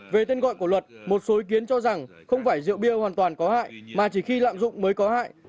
về tên gọi của luật một số ý kiến cho rằng không phải rượu bia hoàn toàn có hại mà chỉ khi lạm dụng mới có hại